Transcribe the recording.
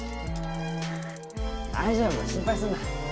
大丈夫心配すんな。